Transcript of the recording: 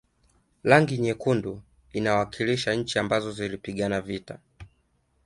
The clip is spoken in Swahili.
rangi nyekundu inawakilisha nchi ambazo zilipigana vita